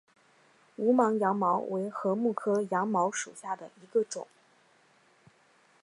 无芒羊茅为禾本科羊茅属下的一个种。